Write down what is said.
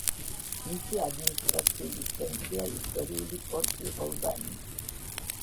მისი ადმინისტრაციული ცენტრია ისტორიული პორტი ოლბანი.